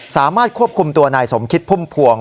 สามารถควบคุมตัวนายสมคิดพุ่มพวง